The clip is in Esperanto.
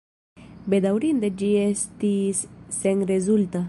Bedaŭrinde ĝi estis senrezulta.